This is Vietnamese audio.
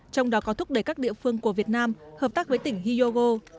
trong đó có thúc đẩy các địa phương của việt nam hợp tác với tỉnh hyogo